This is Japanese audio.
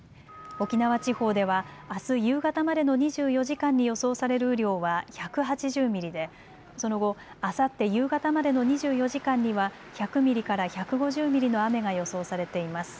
沖縄地方では、あす夕方までの２４時間に予想される雨量は１８０ミリでその後、あさって夕方までの２４時間には１００ミリから１５０ミリの雨が予想されています。